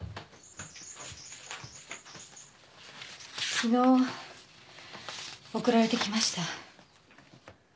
昨日送られてきました。